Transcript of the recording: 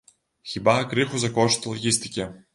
Хіба, крыху за кошт лагістыкі.